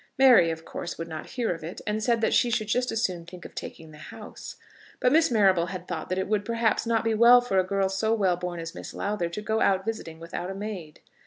Mary, of course, would not hear of it, and said that she should just as soon think of taking the house; but Miss Marrable had thought that it would, perhaps, not be well for a girl so well born as Miss Lowther to go out visiting without a maid.